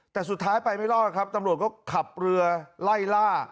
แต่สุดท้ายไปไม่รอดครับตำรวจก็ขับเรือไล่ล่า